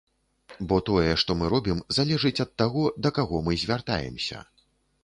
Бо тое, што мы робім, залежыць ад таго, да каго мы звяртаемся.